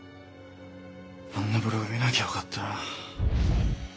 あんなブログ見なきゃよかったな。